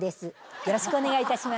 よろしくお願いします。